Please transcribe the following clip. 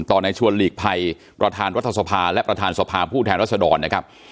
ในชวนหลีกภัยประธานรัฐสภาและประธานสภาผู้แทนรัศดรนะครับ